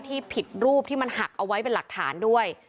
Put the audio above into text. ที่ผิดรูปที่มันหักเอาไว้เป็นหลักฐานด้วย